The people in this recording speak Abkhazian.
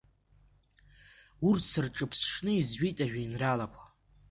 Урҭ сырҿыԥшны изҩит ажәеинраалақәа.